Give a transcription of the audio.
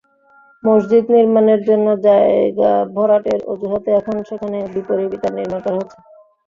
মসজিদ নির্মাণের জন্য জায়গা ভরাটের অজুহাতে এখন সেখানে বিপণিবিতান নির্মাণ করা হচ্ছে।